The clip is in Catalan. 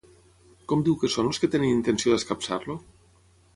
Com diu que són els que tenen intenció d'escapçar-lo?